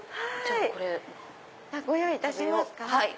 ご用意いたしますか。